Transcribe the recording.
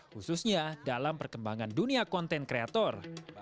khususnya dalam perkembangan dunia konten kreator